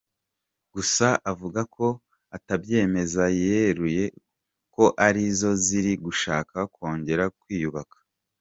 Gusa avuga ko atabyemeza yeruye ko ari zo ziri gushaka kongera kwiyubaka.